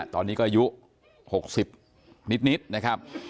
ตอนนี้ก็อายุ๖๐นิดนะครับ